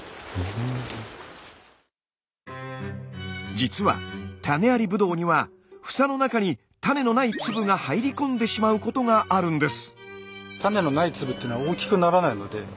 じつは種ありブドウには房の中に種のない粒が入り込んでしまうことがあるんです。